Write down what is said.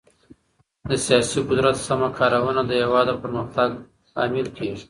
د سياسي قدرت سمه کارونه د هېواد د پرمختګ لامل کېږي.